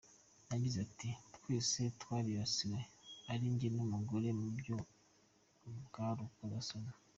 Yagize ati “Twese twaribasiwe ari njye n’umugore, mu buryo bw’urukozasoni.